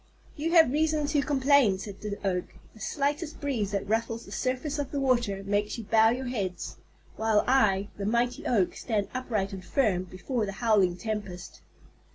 "You have reason to complain," said the Oak. "The slightest breeze that ruffles the surface of the water makes you bow your heads, while I, the mighty Oak, stand upright and firm before the howling tempest."